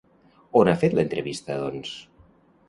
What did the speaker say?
On ha fet l'entrevista, doncs?